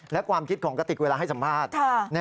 และความคิดของกติกเวลาให้สัมภาษณ์